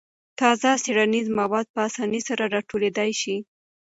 تازه څېړنیز مواد په اسانۍ سره راټولېدای شي.